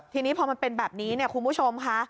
ทีนี้พอมันเป็นแบบนี้เนี่ยคุณผู้ชมค่ะ